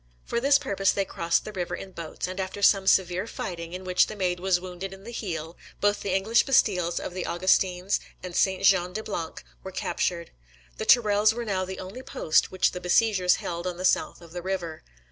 For this purpose they crossed the river in boats, and after some severe fighting, in which the Maid was wounded in the heel, both the English bastilles of the Augustins and St. Jean de Blanc were captured. The Tourelles were now the only post which the besiegers held on the south of the river.